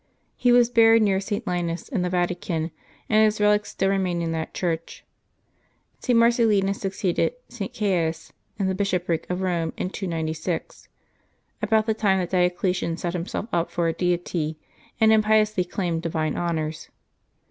He was buried near St. Linus, in the Vatican, and his relics still remain in that church. St. Marcellinus succeeded St. Caius in the bishopric of Eome in 296, about the time that Diocletian set himself up for a deity, and impiously claimed divine honors.